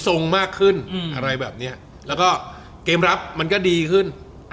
ของความรับดีขึ้น